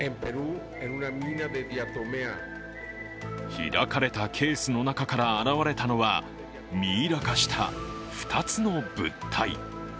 開かれたケースの中から現れたのはミイラ化した２つの物体。